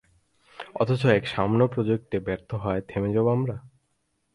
অথচ অন্য এক সামান্য প্রোজেক্ট ব্যর্থ হওয়ায় থেমে যাবো আমরা?